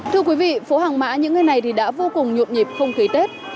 thưa quý vị phố hàng mã những ngày này thì đã vô cùng nhộn nhịp không khí tết